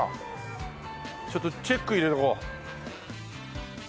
ちょっとチェック入れておこう。